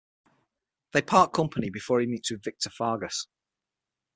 They part company before he meets with Victor Fargas.